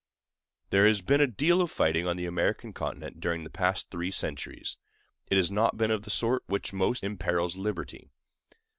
There has been a deal of fighting on the American continent during the past three centuries; but it has not been of the sort which most imperils liberty.